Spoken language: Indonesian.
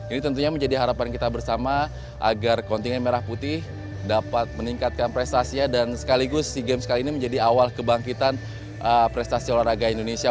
ini tentunya menjadi harapan kita bersama agar kontingen merah putih dapat meningkatkan prestasinya dan sekaligus sea games kali ini menjadi awal kebangkitan prestasi olahraga indonesia